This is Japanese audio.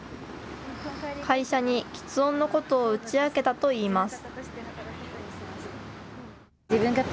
会社にきつ音のことを打ち明けたといいます。